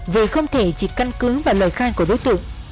vì không thể chỉ căn cứ và lời khai của đối tượng